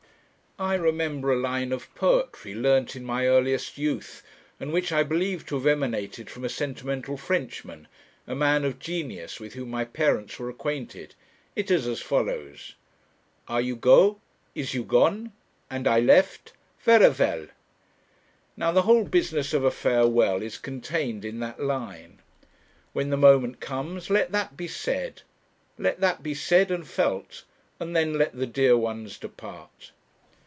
I remember a line of poetry, learnt in my earliest youth, and which I believe to have emanated from a sentimental Frenchman, a man of genius, with whom my parents were acquainted. It is as follows: Are you go? Is you gone? And I left? Vera vell! Now the whole business of a farewell is contained in that line. When the moment comes, let that be said; let that be said and felt, and then let the dear ones depart.